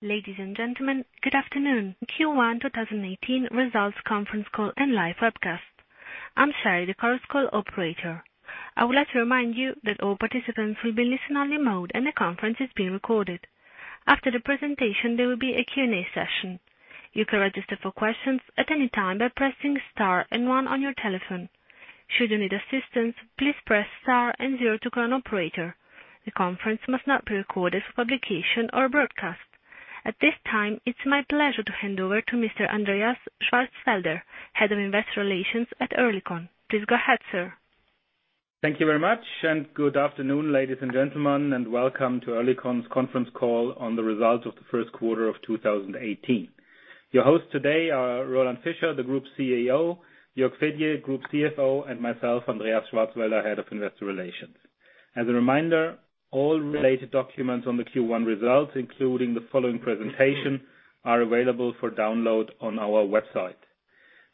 Ladies and gentlemen, good afternoon. Q1 2018 results conference call and live webcast. I am Sherry, the conference call operator. I would like to remind you that all participants will be listen-only mode and the conference is being recorded. After the presentation, there will be a Q&A session. You can register for questions at any time by pressing star 1 on your telephone. Should you need assistance, please press star 0 to go on operator. The conference must not be recorded for publication or broadcast. At this time, it is my pleasure to hand over to Mr. Andreas Schwarzwälder, Head of Investor Relations at Oerlikon. Please go ahead, sir. Thank you very much. Good afternoon, ladies and gentlemen, and welcome to Oerlikon's conference call on the results of the first quarter of 2018. Your hosts today are Roland Fischer, the Group CEO, Jürg Fedier, Group CFO, and myself, Andreas Schwarzwälder, Head of Investor Relations. As a reminder, all related documents on the Q1 results, including the following presentation, are available for download on our website.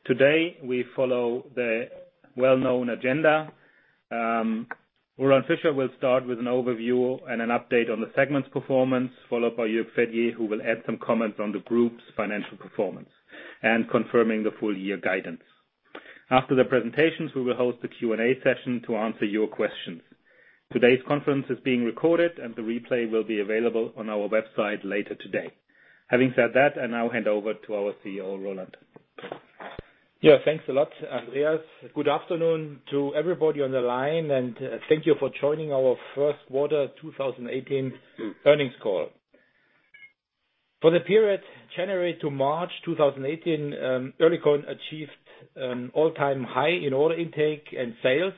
Today, we follow the well-known agenda. Roland Fischer will start with an overview and an update on the segment's performance, followed by Jürg Fedier, who will add some comments on the group's financial performance and confirming the full year guidance. After the presentations, we will host a Q&A session to answer your questions. Today's conference is being recorded, and the replay will be available on our website later today. Having said that, I now hand over to our CEO, Roland. Thanks a lot, Andreas. Good afternoon to everybody on the line. Thank you for joining our first quarter 2018 earnings call. For the period January to March 2018, Oerlikon achieved an all-time high in order intake and sales,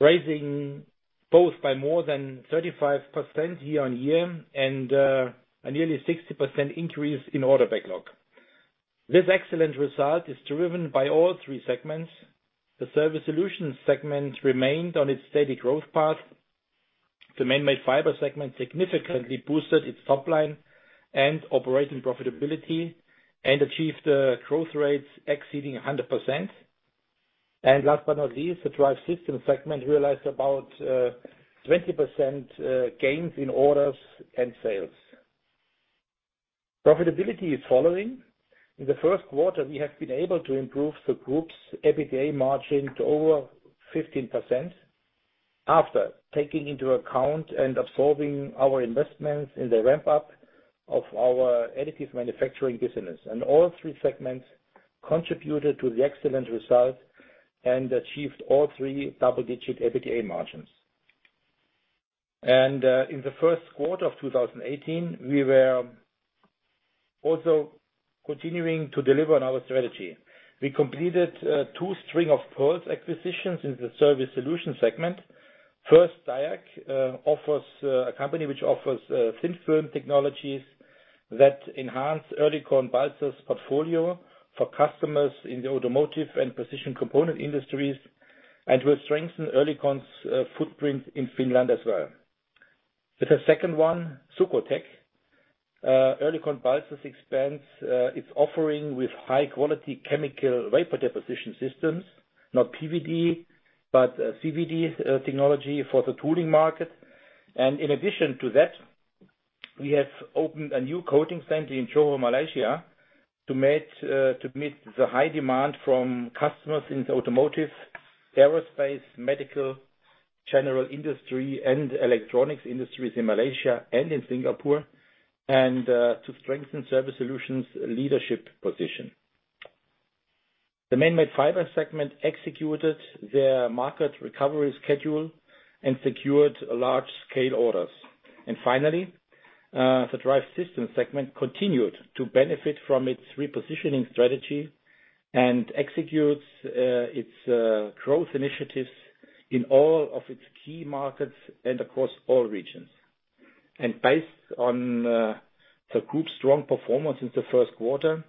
raising both by more than 35% year-on-year, a nearly 60% increase in order backlog. This excellent result is driven by all three segments. The Surface Solutions segment remained on its steady growth path. The Manmade Fibers segment significantly boosted its top line and operating profitability and achieved growth rates exceeding 100%. Last but not least, the Drive Systems segment realized about 20% gains in orders and sales. Profitability is following. In the first quarter, we have been able to improve the group's EBITDA margin to over 15% after taking into account and absorbing our investments in the ramp-up of our additive manufacturing business. All three segments contributed to the excellent result and achieved all three double-digit EBITDA margins. In the first quarter of 2018, we were also continuing to deliver on our strategy. We completed two string of pearls acquisitions in the Surface Solutions segment. First, DIARC offers a company which offers thin film technologies that enhance Oerlikon Balzers portfolio for customers in the automotive and precision component industries, and will strengthen Oerlikon's footprint in Finland as well. With the second one, Sucotec, Oerlikon Balzers expands its offering with high-quality chemical vapor deposition systems, not PVD, but CVD technology for the tooling market. In addition to that, we have opened a new coating center in Johor, Malaysia to meet the high demand from customers in the automotive, aerospace, medical, general industry, and electronics industries in Malaysia and in Singapore, and to strengthen Surface Solutions leadership position. The Manmade Fibers segment executed their market recovery schedule and secured large-scale orders. Finally, the Drive Systems segment continued to benefit from its repositioning strategy and executes its growth initiatives in all of its key markets and across all regions. Based on the group's strong performance in the first quarter,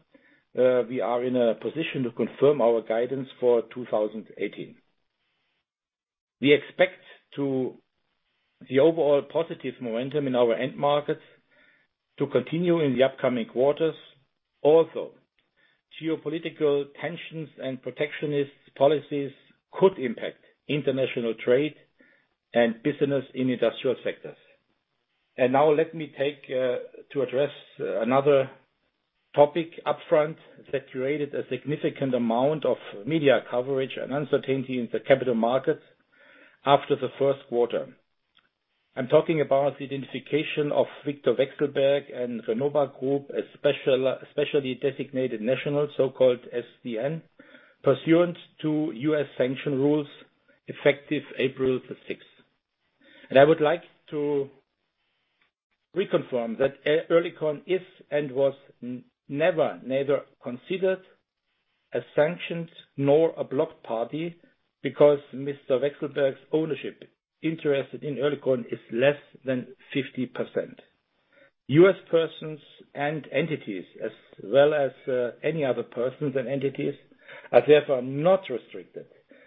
we are in a position to confirm our guidance for 2018. We expect the overall positive momentum in our end markets to continue in the upcoming quarters. Also, geopolitical tensions and protectionist policies could impact international trade and business in industrial sectors. Now let me take to address another topic upfront that created a significant amount of media coverage and uncertainty in the capital markets after the first quarter. I'm talking about the identification of Viktor Vekselberg and Renova Group, a specially designated national, so-called SDN, pursuant to U.S. sanction rules effective April 6. I would like to reconfirm that Oerlikon is and was never considered a sanctioned nor a blocked party because Mr. Vekselberg's ownership interest in Oerlikon is less than 50%. U.S. persons and entities, as well as any other persons and entities, are therefore not restricted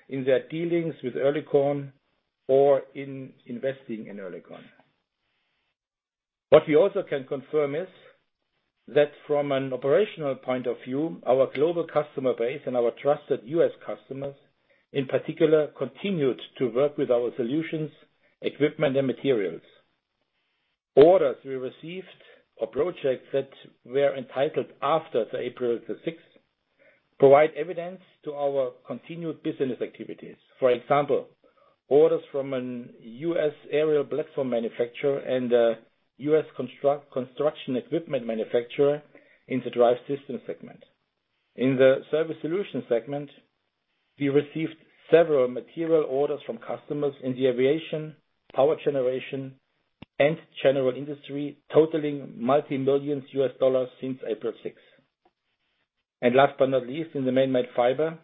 in their dealings with Oerlikon or in investing in Oerlikon. What we also can confirm is that from an operational point of view, our global customer base and our trusted U.S. customers in particular, continued to work with our solutions, equipment, and materials. Orders we received or projects that were entitled after April 6, provide evidence to our continued business activities. For example, orders from a U.S. aerial platform manufacturer and a U.S. construction equipment manufacturer in the Drive Systems segment. In the Surface Solutions segment, we received several material orders from customers in the aviation, power generation, and general industry totaling multi-millions U.S. dollars since April 6. Last but not least, in the Manmade Fibers,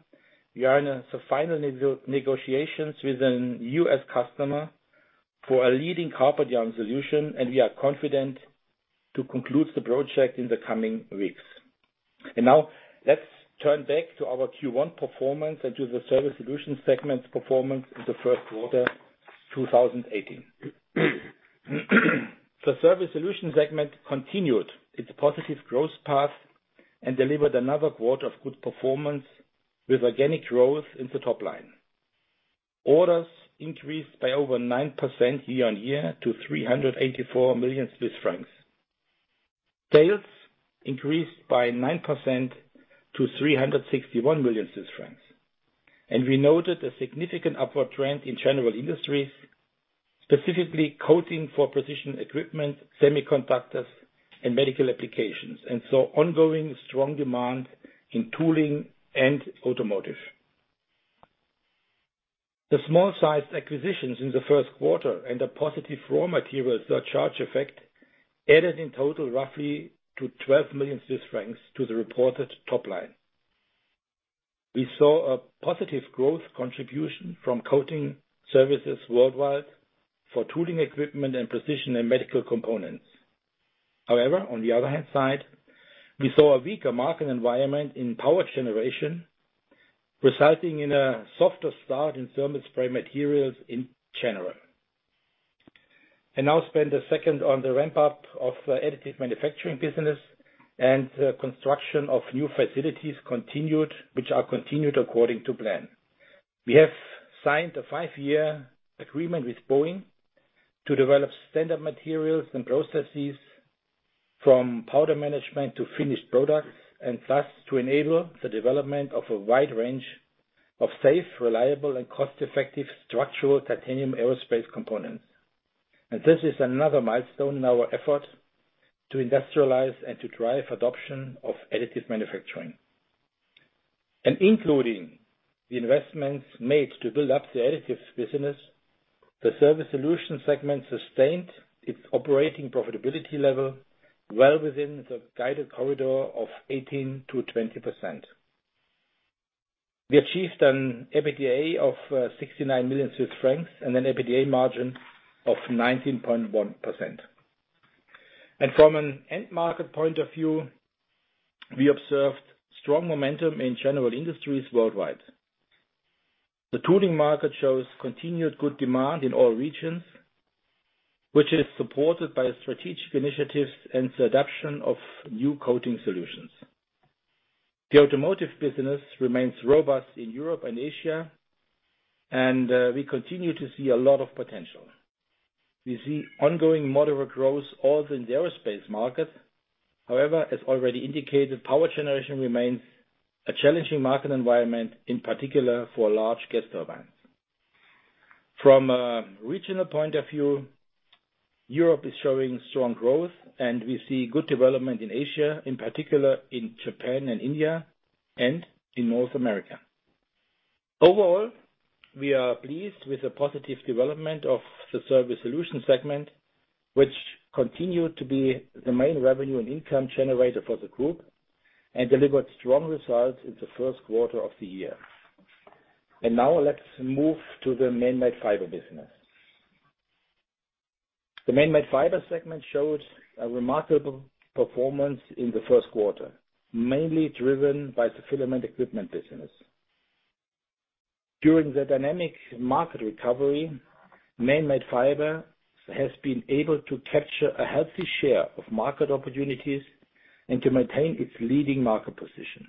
we are in the final negotiations with a U.S. customer for a leading carpet yarn solution, and we are confident to conclude the project in the coming weeks. Now let's turn back to our Q1 performance and to the Surface Solutions segment performance in the first quarter 2018. The Surface Solutions segment continued its positive growth path and delivered another quarter of good performance with organic growth in the top line. Orders increased by over 9% year-over-year to 384 million Swiss francs. Sales increased by 9% to 361 million Swiss francs. We noted a significant upward trend in general industries, specifically coating for precision equipment, semiconductors, and medical applications, and saw ongoing strong demand in tooling and automotive. The small-sized acquisitions in the first quarter and the positive raw material surcharge effect added in total roughly to 12 million Swiss francs to the reported top line. We saw a positive growth contribution from coating services worldwide for tooling equipment and precision and medical components. However, on the other hand side, we saw a weaker market environment in power generation, resulting in a softer start in thermal spray materials in general. I now spend a second on the ramp-up of additive manufacturing business and the construction of new facilities continued, which are continued according to plan. We have signed a five-year agreement with Boeing to develop standard materials and processes from powder management to finished products, and thus to enable the development of a wide range of safe, reliable and cost-effective structural titanium aerospace components. This is another milestone in our effort to industrialize and to drive adoption of additive manufacturing. Including the investments made to build up the additives business, the Surface Solutions segment sustained its operating profitability level well within the guided corridor of 18%-20%. We achieved an EBITDA of 69 million Swiss francs and an EBITDA margin of 19.1%. From an end market point of view, we observed strong momentum in general industries worldwide. The tooling market shows continued good demand in all regions, which is supported by strategic initiatives and the adoption of new coating solutions. The automotive business remains robust in Europe and Asia, we continue to see a lot of potential. We see ongoing moderate growth also in the aerospace market. However, as already indicated, power generation remains a challenging market environment, in particular for large gas turbines. From a regional point of view, Europe is showing strong growth, we see good development in Asia, in particular in Japan and India and in North America. Overall, we are pleased with the positive development of the Surface Solutions segment, which continued to be the main revenue and income generator for the group and delivered strong results in the first quarter of the year. Now let's move to the Manmade Fibers business. The Manmade Fibers segment showed a remarkable performance in the first quarter, mainly driven by the filament equipment business. During the dynamic market recovery, Manmade Fibers has been able to capture a healthy share of market opportunities and to maintain its leading market position.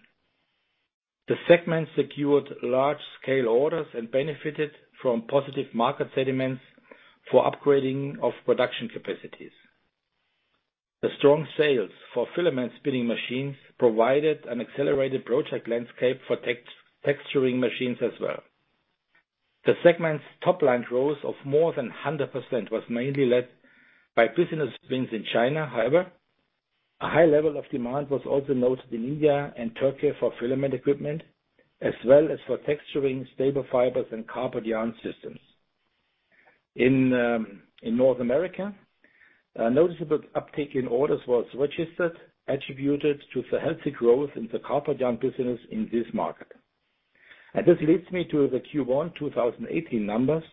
The segment secured large-scale orders and benefited from positive market sentiments for upgrading of production capacities. The strong sales for filament spinning machines provided an accelerated project landscape for texturing machines as well. The segment's top-line growth of more than 100% was mainly led by business wins in China. However, a high level of demand was also noted in India and Turkey for filament equipment, as well as for texturing staple fibers and carpet yarn systems. In North America, a noticeable uptick in orders was registered, attributed to the healthy growth in the carpet yarn business in this market. This leads me to the Q1 2018 numbers,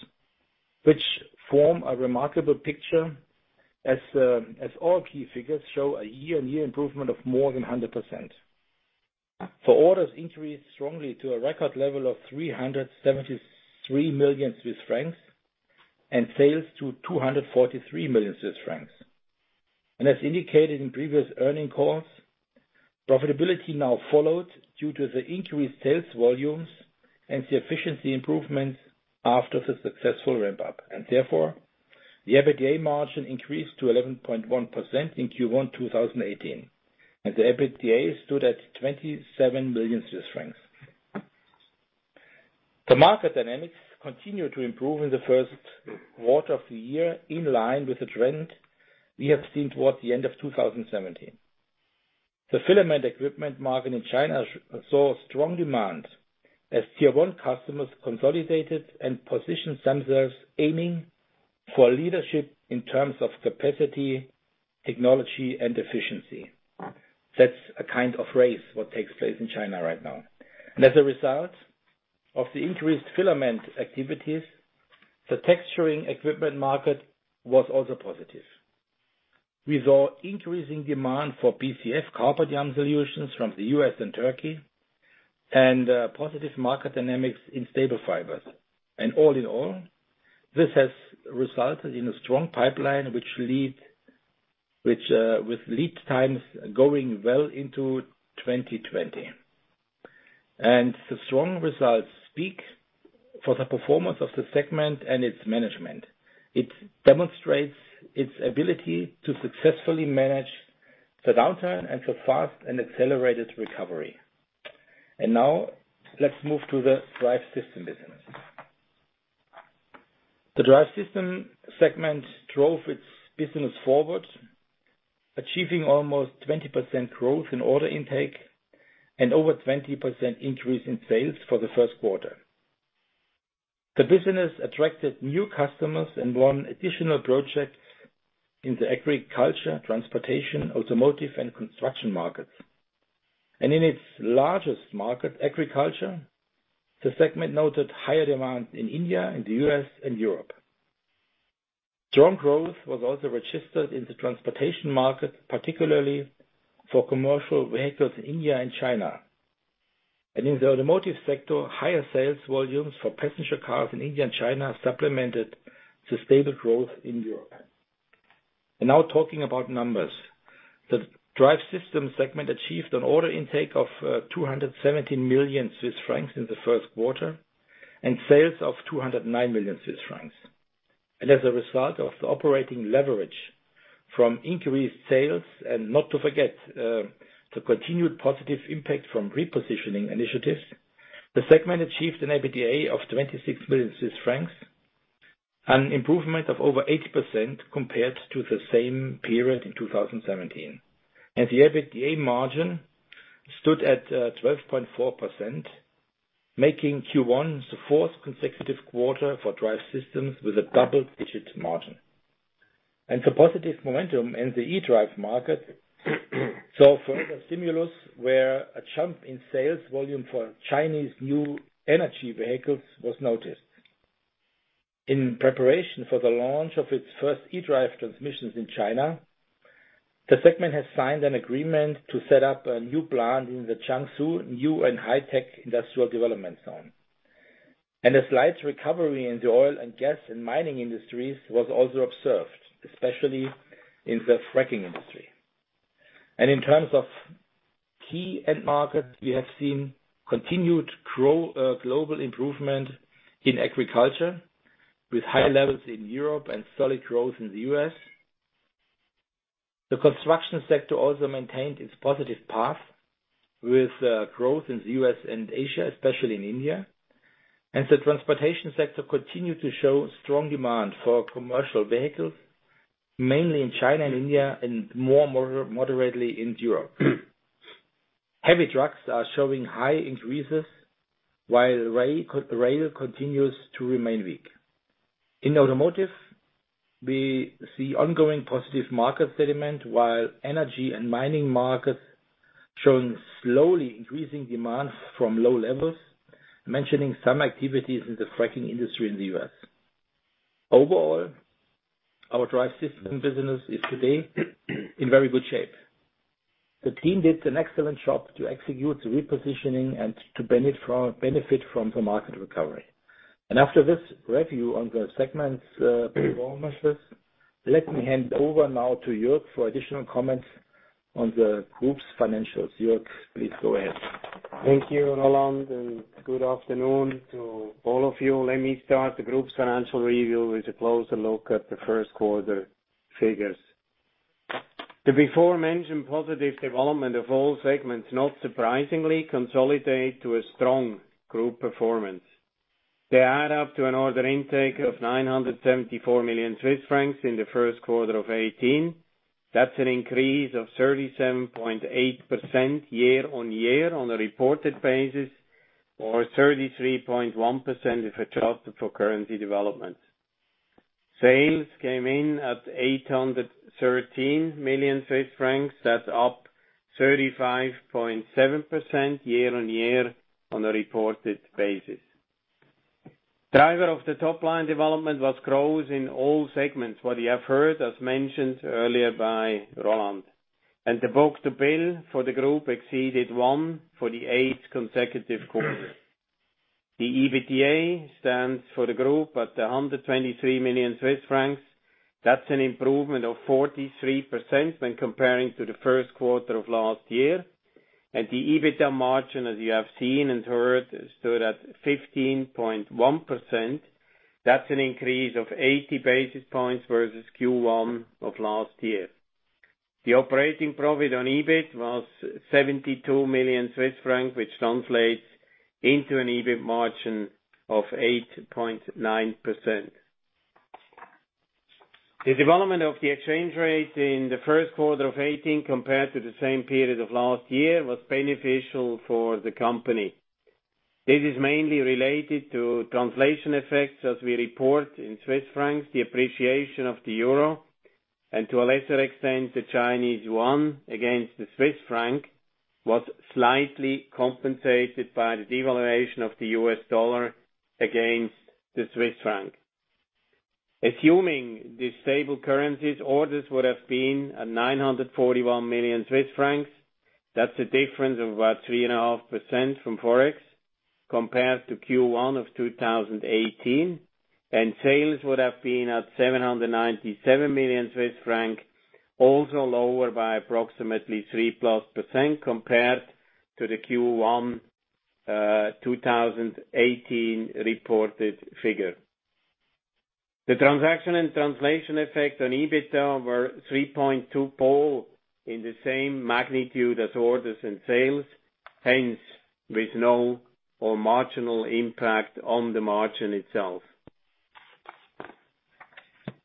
which form a remarkable picture as all key figures show a year-on-year improvement of more than 100%. For orders increased strongly to a record level of 373 million Swiss francs and sales to 243 million Swiss francs. As indicated in previous earning calls, profitability now followed due to the increased sales volumes and the efficiency improvements after the successful ramp-up. Therefore, the EBITDA margin increased to 11.1% in Q1 2018, and the EBITDA stood at 27 million Swiss francs. The market dynamics continued to improve in the first quarter of the year, in line with the trend we have seen towards the end of 2017. The filament equipment market in China saw strong demand as Tier 1 customers consolidated and positioned themselves aiming for leadership in terms of capacity, technology and efficiency. That's a kind of race, what takes place in China right now. As a result of the increased filament activities, the texturing equipment market was also positive. We saw increasing demand for BCF carpet yarn solutions from the U.S. and Turkey, and positive market dynamics in staple fibers. All in all, this has resulted in a strong pipeline, with lead times going well into 2020. The strong results speak for the performance of the segment and its management. It demonstrates its ability to successfully manage the downturn and the fast and accelerated recovery. Now let's move to the Drive Systems business. The Drive Systems segment drove its business forward, achieving almost 20% growth in order intake and over 20% increase in sales for the first quarter. The business attracted new customers and won additional projects in the agriculture, transportation, automotive, and construction markets. In its largest market, agriculture, the segment noted higher demand in India, in the U.S., and Europe. Strong growth was also registered in the transportation market, particularly for commercial vehicles in India and China. In the automotive sector, higher sales volumes for passenger cars in India and China supplemented the stable growth in Europe. Now talking about numbers. The Drive Systems segment achieved an order intake of 217 million Swiss francs in the first quarter and sales of 209 million Swiss francs. As a result of the operating leverage from increased sales and not to forget, the continued positive impact from repositioning initiatives, the segment achieved an EBITDA of 26 million Swiss francs, an improvement of over 80% compared to the same period in 2017. The EBITDA margin stood at 12.4%, making Q1 the fourth consecutive quarter for Drive Systems with a double-digit margin. The positive momentum in the e-drive market saw further stimulus where a jump in sales volume for Chinese new energy vehicles was noticed. In preparation for the launch of its first e-drive transmissions in China, the segment has signed an agreement to set up a new plant in the Jiangsu New and Hi-Tech Industrial Development Zone. A slight recovery in the oil and gas and mining industries was also observed, especially in the fracking industry. In terms of key end markets, we have seen continued global improvement in agriculture, with high levels in Europe and solid growth in the U.S. The construction sector also maintained its positive path with growth in the U.S. and Asia, especially in India. The transportation sector continued to show strong demand for commercial vehicles, mainly in China and India, and more moderately in Europe. Heavy trucks are showing high increases, while rail continues to remain weak. In automotive, we see ongoing positive market sentiment while energy and mining markets showing slowly increasing demand from low levels, mentioning some activities in the fracking industry in the U.S. Overall, our Drive Systems business is today in very good shape. The team did an excellent job to execute the repositioning and to benefit from the market recovery. After this review on the segments' performances, let me hand over now to Jürg for additional comments on the Group's financials. Jürg, please go ahead. Thank you, Roland, and good afternoon to all of you. Let me start the Group's financial review with a closer look at the first quarter figures. The before-mentioned positive development of all segments, not surprisingly, consolidate to a strong Group performance. They add up to an order intake of 974 million Swiss francs in the first quarter of 2018. That's an increase of 37.8% year-on-year on a reported basis or 33.1% if adjusted for currency development. Sales came in at 813 million Swiss francs. That's up 35.7% year-on-year on a reported basis. Driver of the top line development was growth in all segments, what you have heard as mentioned earlier by Roland. The book-to-bill for the group exceeded one for the eighth consecutive quarter. The EBITDA stands for the group at 123 million Swiss francs. That's an improvement of 43% when comparing to the first quarter of last year. The EBITDA margin, as you have seen and heard, stood at 15.1%. That's an increase of 80 basis points versus Q1 of last year. The operating profit on EBIT was 72 million Swiss francs, which translates into an EBIT margin of 8.9%. The development of the exchange rate in the first quarter of 2018 compared to the same period of last year was beneficial for the company. This is mainly related to translation effects as we report in CHF, the appreciation of the euro, and to a lesser extent, the Chinese yuan against the CHF, was slightly compensated by the devaluation of the U.S. dollar against the CHF. Assuming these stable currencies, orders would have been at 941 million Swiss francs. That's a difference of about 3.5% from ForEx compared to Q1 of 2018, and sales would have been at 797 million Swiss francs, also lower by approximately 3-plus% compared to the Q1 2018 reported figure. The transaction and translation effect on EBITDA were 3.2 percentage points in the same magnitude as orders and sales, hence with no or marginal impact on the margin itself.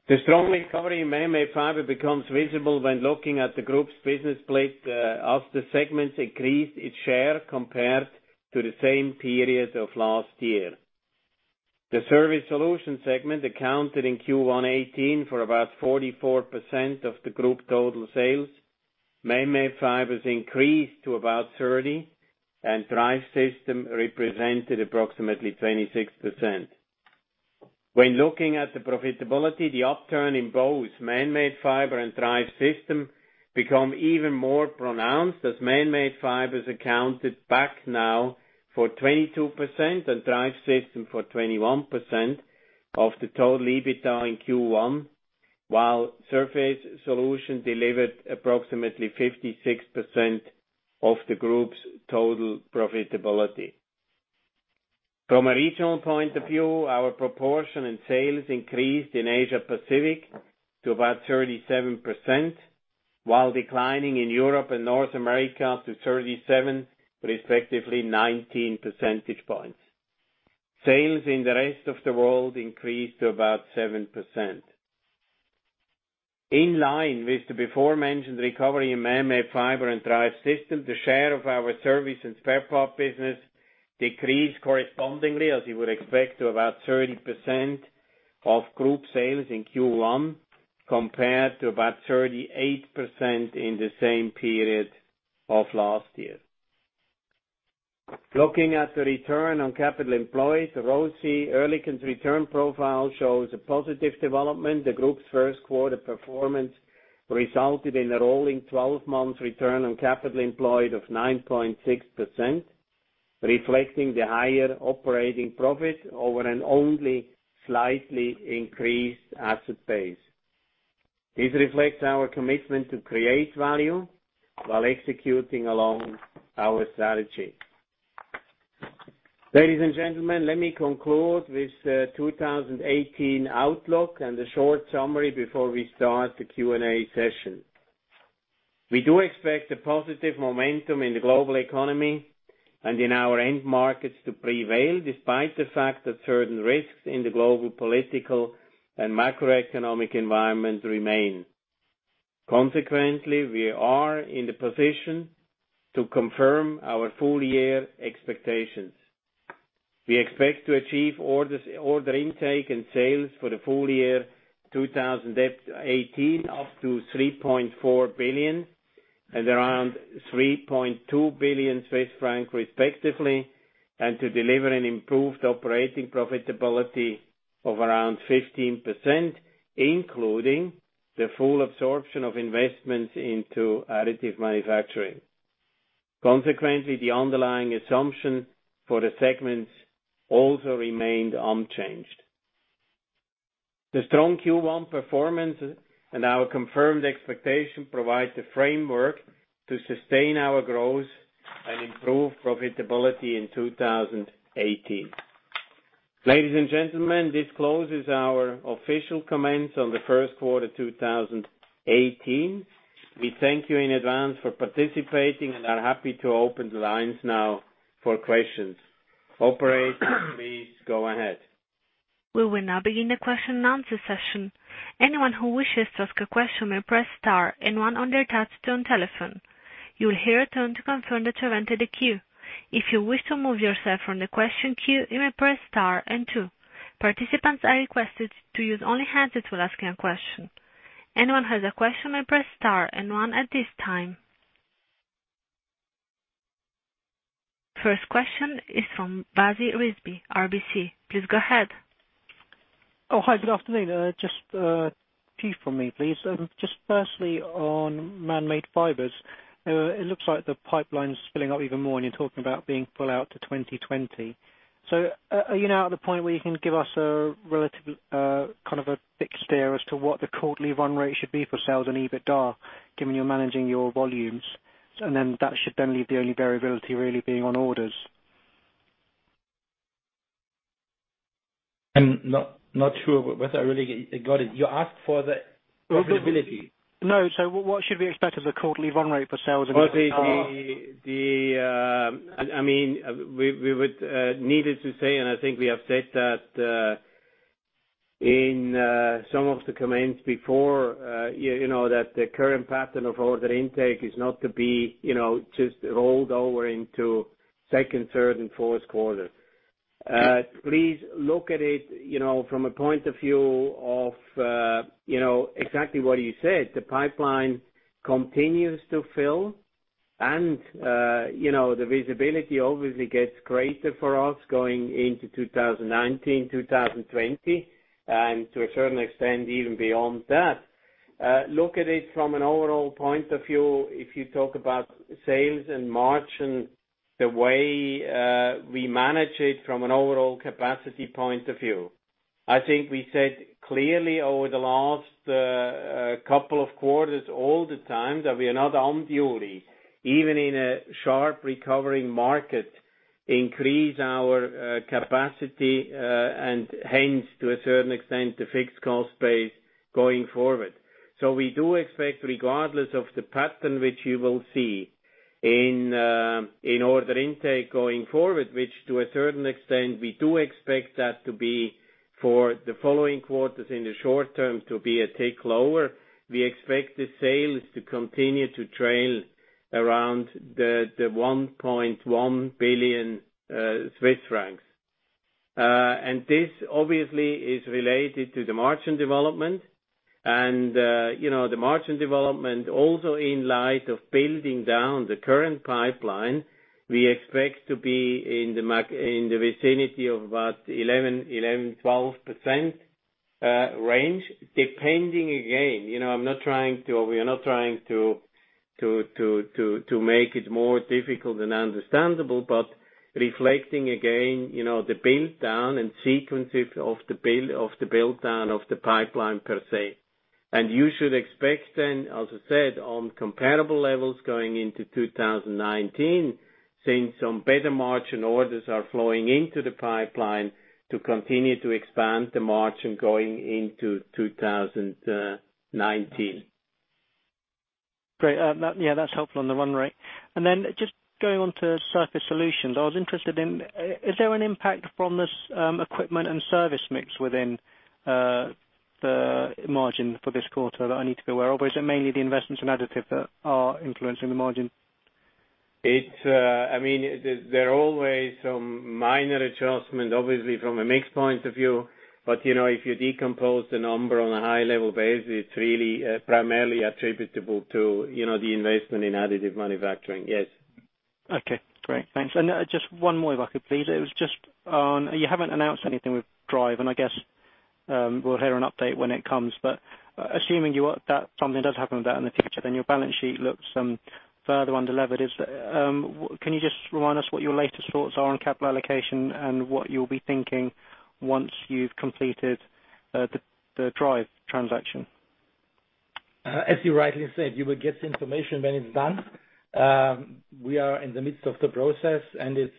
The strong recovery in Manmade Fibers becomes visible when looking at the group's business split, as the segment increased its share compared to the same period of last year. The Surface Solutions segment accounted in Q1 2018 for about 44% of the group total sales. Manmade Fibers increased to about 30%, and Drive Systems represented approximately 26%. When looking at the profitability, the upturn in both Manmade Fibers and Drive Systems become even more pronounced, as Manmade Fibers accounted back now for 22% and Drive Systems for 21% of the total EBITDA in Q1, while Surface Solutions delivered approximately 56% of the group's total profitability. From a regional point of view, our proportion in sales increased in Asia Pacific to about 37%, while declining in Europe and North America to 37%, respectively 19 percentage points. Sales in the rest of the world increased to about 7%. In line with the before-mentioned recovery in Manmade Fibers and Drive Systems, the share of our service and spare part business decreased correspondingly, as you would expect, to about 30% of group sales in Q1, compared to about 38% in the same period of last year. Looking at the return on capital employed, the ROCE, OC Oerlikon's return profile shows a positive development. The group's first quarter performance resulted in a rolling 12 months return on capital employed of 9.6%, reflecting the higher operating profit over an only slightly increased asset base. This reflects our commitment to create value while executing along our strategy. Ladies and gentlemen, let me conclude with the 2018 outlook and a short summary before we start the Q&A session. We do expect a positive momentum in the global economy and in our end markets to prevail, despite the fact that certain risks in the global political and macroeconomic environment remain. We are in the position to confirm our full year expectations. We expect to achieve order intake and sales for the full year 2018 up to 3.4 billion and around 3.2 billion Swiss francs respectively, and to deliver an improved operating profitability of around 15%, including the full absorption of investments into additive manufacturing. The underlying assumption for the segments also remained unchanged. The strong Q1 performance and our confirmed expectation provide the framework to sustain our growth and improve profitability in 2018. Ladies and gentlemen, this closes our official comments on the first quarter 2018. We thank you in advance for participating and are happy to open the lines now for questions. Operator, please go ahead. We will now begin the question and answer session. Anyone who wishes to ask a question may press star and one on their touch-tone telephone. You will hear a tone to confirm that you have entered the queue. If you wish to remove yourself from the question queue, you may press star and two. Participants are requested to use only hands to ask a question. Anyone who has a question may press star and one at this time. First question is from Basi Rizvi, RBC. Please go ahead. Hi. Good afternoon. Just a few from me, please. Firstly, on Manmade Fibers, it looks like the pipeline's filling up even more, and you're talking about being full out to 2020. Are you now at the point where you can give us a relative, kind of a bit of a steer as to what the quarterly run rate should be for sales and EBITDA, given you're managing your volumes? That should then leave the only variability really being on orders. I'm not sure whether I really got it. You asked for the availability? No. What should we expect as a quarterly run rate for sales and EBITDA? We would need it to say, and I think we have said that in some of the comments before, that the current pattern of order intake is not to be just rolled over into second, third, and fourth quarter. Please look at it from a point of view of exactly what you said. The pipeline continues to fill and the visibility obviously gets greater for us going into 2019, 2020, and to a certain extent, even beyond that. Look at it from an overall point of view, if you talk about sales in March and the way we manage it from an overall capacity point of view. I think we said clearly over the last couple of quarters all the time that we are not on duty, even in a sharp recovering market, increase our capacity, and hence, to a certain extent, the fixed cost base going forward. We do expect, regardless of the pattern which you will see in order intake going forward, which to a certain extent, we do expect that to be for the following quarters in the short term to be a tick lower. We expect the sales to continue to trail around the 1.1 billion Swiss francs. This obviously is related to the margin development. The margin development also in light of building down the current pipeline, we expect to be in the vicinity of about 11%-12% range, depending, again. We are not trying to make it more difficult and understandable, but reflecting again, the build-down and sequences of the build-down of the pipeline per se. You should expect then, as I said, on comparable levels going into 2019, seeing some better margin orders are flowing into the pipeline to continue to expand the margin going into 2019. Great. Yeah, that's helpful on the run rate. Just going on to Surface Solutions, I was interested in, is there an impact from this equipment and service mix within the margin for this quarter that I need to be aware of? Or is it mainly the investments in additive that are influencing the margin? There are always some minor adjustments, obviously, from a mix point of view. If you decompose the number on a high level base, it's really primarily attributable to the investment in additive manufacturing, yes. Okay, great. Thanks. Just one more if I could, please. It was just on, you haven't announced anything with Drive, and I guess we'll hear an update when it comes. Assuming that something does happen with that in the future, then your balance sheet looks further underleveraged. Can you just remind us what your latest thoughts are on capital allocation and what you'll be thinking once you've completed the Drive transaction? As you rightly said, you will get the information when it's done. We are in the midst of the process,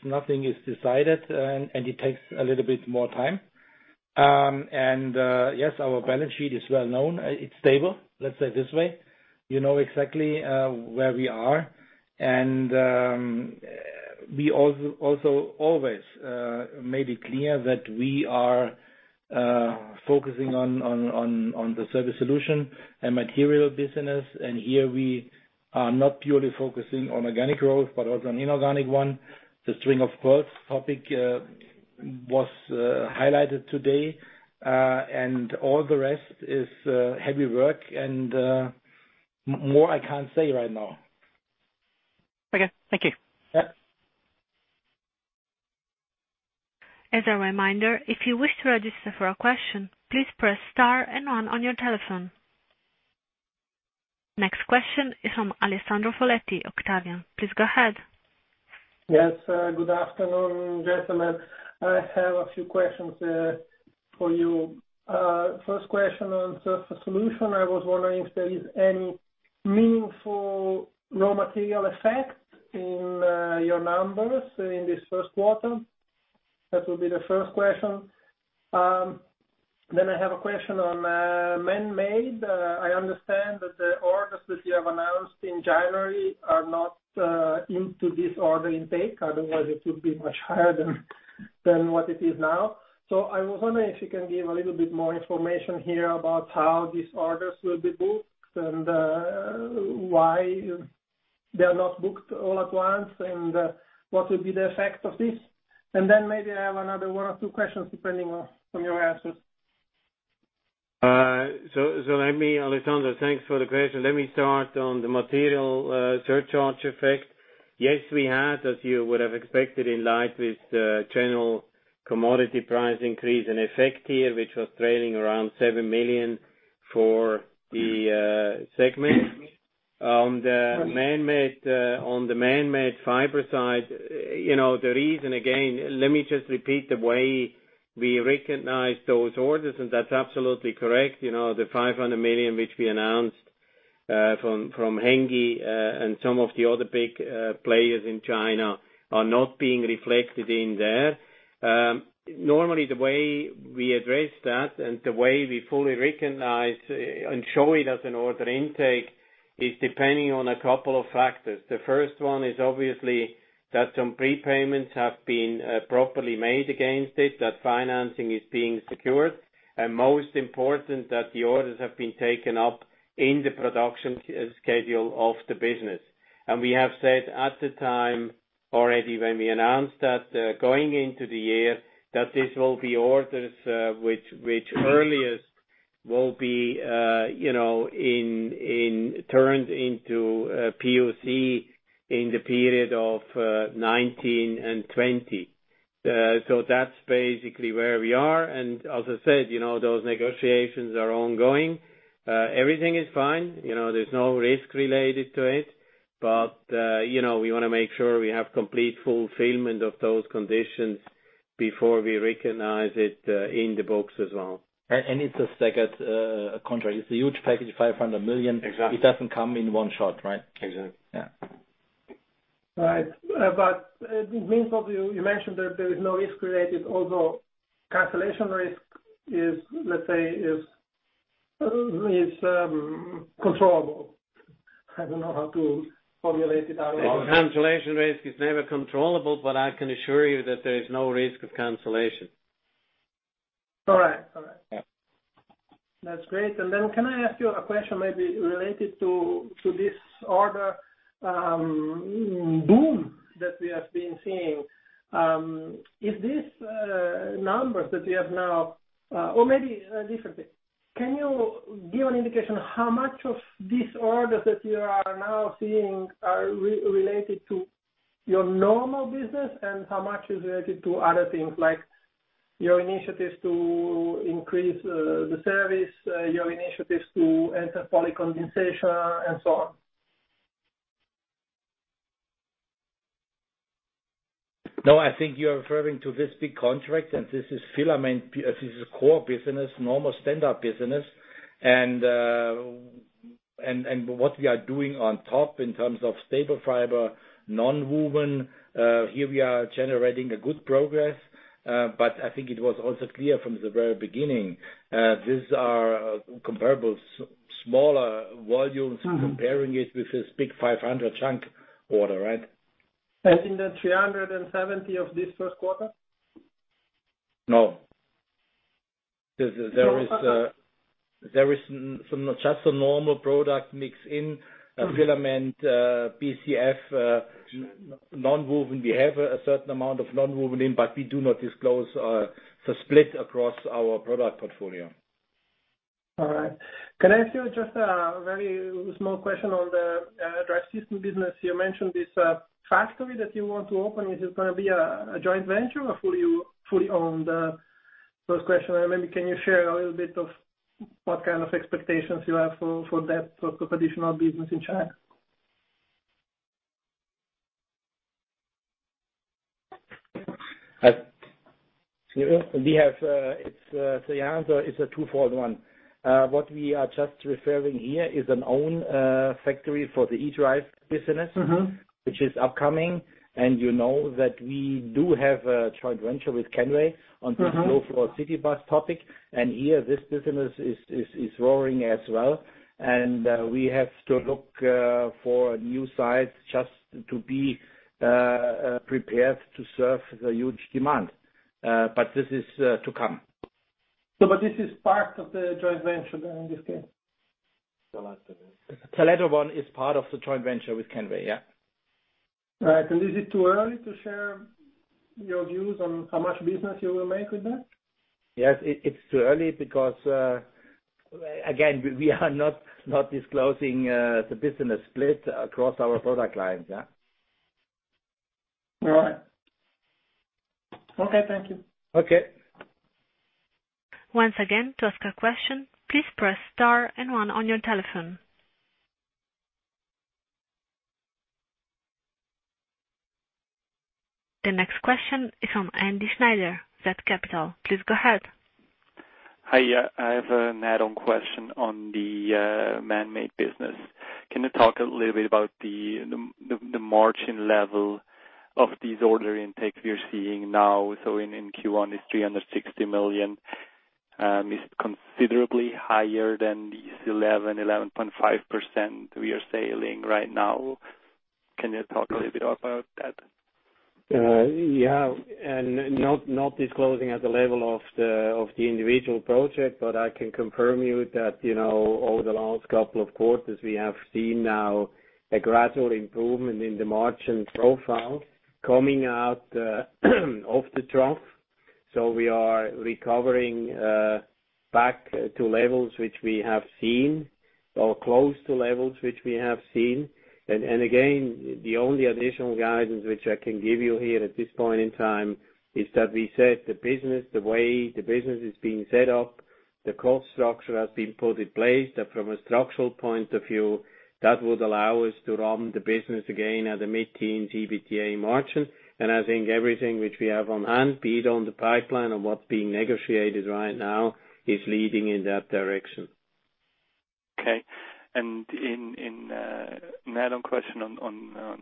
nothing is decided, and it takes a little bit more time. Yes, our balance sheet is well known. It's stable, let's say this way. You know exactly where we are. We also always made it clear that we are focusing on the Surface Solutions and material business. Here, we are not purely focusing on organic growth, but also an inorganic one. The string of pearls topic was highlighted today. All the rest is heavy work and more I can't say right now. Okay. Thank you. Yeah. As a reminder, if you wish to register for a question, please press star and one on your telephone. Next question is from Alessandro Fugnoli, Octavian. Please go ahead. Yes. Good afternoon, gentlemen. I have a few questions for you. First question on Surface Solutions. I was wondering if there is any meaningful raw material effect in your numbers in this first quarter? That will be the first question. I have a question on Manmade Fibers. I understand that the orders that you have announced in January are not into this order intake, otherwise it would be much higher than what it is now. I was wondering if you can give a little bit more information here about how these orders will be booked, and why they are not booked all at once, and what will be the effect of this. Maybe I have another one or two questions, depending on your answers. Alessandro, thanks for the question. Let me start on the material surcharge effect. Yes, we had, as you would have expected in light with the general commodity price increase and effect here, which was trailing around 7 million for the segment. On the Manmade Fibers side, the reason again, let me just repeat the way we recognize those orders, and that's absolutely correct. The 500 million which we announced from Hengyi and some of the other big players in China are not being reflected in there. Normally, the way we address that and the way we fully recognize and show it as an order intake is depending on a couple of factors. The first one is obviously that some prepayments have been properly made against it, that financing is being secured, and most important, that the orders have been taken up in the production schedule of the business. We have said at the time already when we announced that going into the year, that this will be orders, which earliest will be turned into a POC in the period of 2019 and 2020. That's basically where we are. As I said, those negotiations are ongoing. Everything is fine. There's no risk related to it. We want to make sure we have complete fulfillment of those conditions before we recognize it in the books as well. It's a staggered contract. It's a huge package, 500 million. Exactly. It doesn't come in one shot, right? Exactly. Yeah. Right. It means what you mentioned that there is no risk related, although cancellation risk is, let's say, controllable. I don't know how to formulate it out. Cancellation risk is never controllable, but I can assure you that there is no risk of cancellation. All right. Yeah. That's great. Can I ask you a question maybe related to this order boom that we have been seeing. Are these numbers that we have now? Or maybe differently, can you give an indication how much of these orders that you are now seeing are related to your normal business, and how much is related to other things like your initiatives to increase the service, your initiatives to enter polycondensation and so on? No, I think you're referring to this big contract, and this is filament. This is core business, normal standard business. What we are doing on top in terms of staple fiber, nonwoven, here we are generating a good progress. I think it was also clear from the very beginning, these are comparable smaller volumes comparing it with this big 500 chunk order, right? In the 370 of this first quarter? No. There is just a normal product mix in filament BCF nonwoven. We have a certain amount of nonwoven in, we do not disclose the split across our product portfolio. All right. Can I ask you just a very small question on the drive system business. You mentioned this factory that you want to open. Is this going to be a joint venture or fully owned? First question, maybe can you share a little bit of what kind of expectations you have for that sort of additional business in China? The answer is a twofold one. What we are just referring here is an own factory for the e-drive business. Which is upcoming. You know that we do have a joint venture with Kenway on this low-floor city bus topic. Here, this business is roaring as well. We have to look for a new site just to be prepared to serve the huge demand. This is to come. No, this is part of the joint venture in this case? The latter one is part of the joint venture with Kenway, yeah. Right. Is it too early to share your views on how much business you will make with that? Yes, it's too early because, again, we are not disclosing the business split across our product lines. Yeah. All right. Okay, thank you. Okay. Once again, to ask a question, please press star and one on your telephone. The next question is from Andy Schneider, Z Capital. Please go ahead. Hi. I have an add-on question on the Manmade business. Can you talk a little bit about the margin level of this order intake we're seeing now? In Q1, it's 360 million. Is it considerably higher than this 11%-11.5% we are sailing right now? Can you talk a little bit about that? Yeah. Not disclosing at the level of the individual project, but I can confirm you that over the last couple of quarters, we have seen now a gradual improvement in the margin profile coming out of the trough. We are recovering back to levels which we have seen or close to levels which we have seen. Again, the only additional guidance which I can give you here at this point in time is that we said the way the business is being set up, the cost structure has been put in place that from a structural point of view, that would allow us to run the business again at a mid-teen EBITDA margin. I think everything which we have on hand, be it on the pipeline or what being negotiated right now, is leading in that direction. Okay. Another question on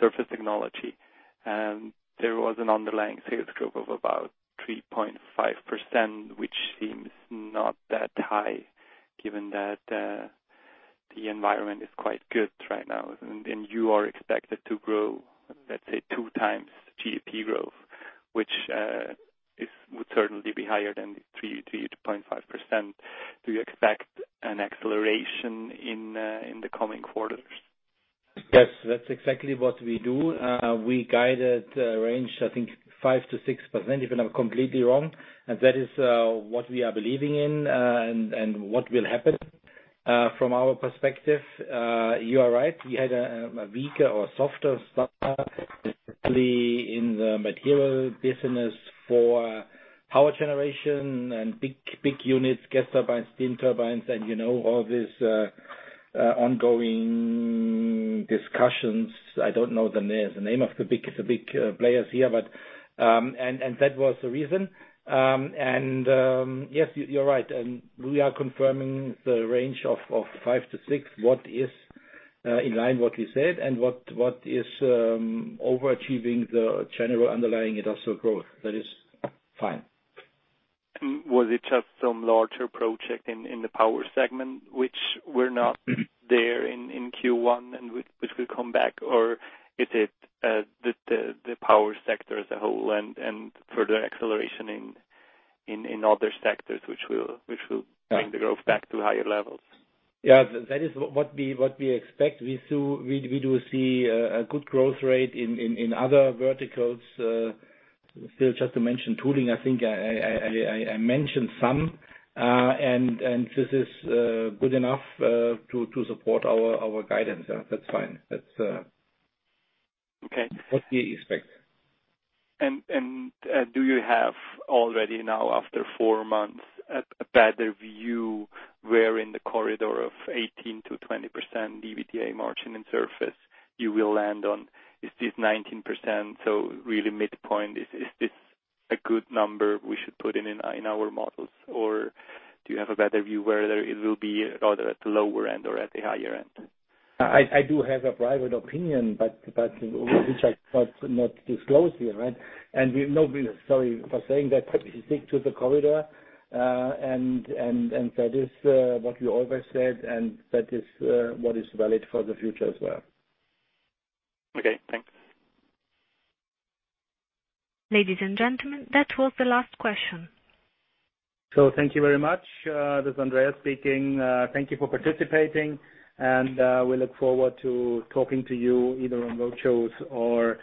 Surface Solutions. There was an underlying sales growth of about 3.5%, which seems not that high given that the environment is quite good right now. You are expected to grow, let's say, two times GDP growth, which would certainly be higher than 3.5%. Do you expect an acceleration in the coming quarters? Yes, that's exactly what we do. We guided a range, I think 5%-6%, if I'm not completely wrong. That is what we are believing in and what will happen from our perspective. You are right, we had a weaker or softer start, especially in the material business for power generation and big units, gas turbines, steam turbines, and all this ongoing discussions. I don't know the names, the name of the big players here. That was the reason. Yes, you're right. We are confirming the range of 5%-6%, what is in line, what we said and what is overachieving the general underlying industrial growth. That is fine. Was it just some larger project in the power segment which were not there in Q1 and which will come back? Or is it the power sector as a whole and further acceleration in other sectors which will bring the growth back to higher levels? Yeah, that is what we expect. We do see a good growth rate in other verticals. Still just to mention tooling, I think I mentioned some. This is good enough to support our guidance. That's fine. Okay what we expect. Do you have already now, after four months, a better view where in the corridor of 18%-20% EBITDA margin and Surface you will land on? Is this 19%, so really midpoint, is this a good number we should put in our models? Or do you have a better view whether it will be rather at the lower end or at the higher end? I do have a private opinion, which I cannot disclose here, right? We've no business, sorry for saying that, but we stick to the corridor. That is what we always said, and that is what is valid for the future as well. Okay, thanks. Ladies and gentlemen, that was the last question. Thank you very much. This is Andreas speaking. Thank you for participating, and we look forward to talking to you either on roadshows or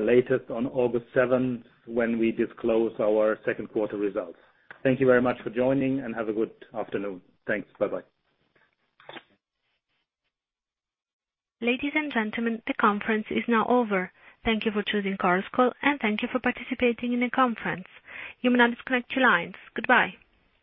latest on August 7th, when we disclose our second quarter results. Thank you very much for joining, and have a good afternoon. Thanks. Bye-bye. Ladies and gentlemen, the conference is now over. Thank you for choosing Chorus Call, and thank you for participating in the conference. You may now disconnect your lines. Goodbye.